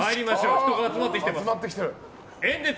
人が集まってきてます。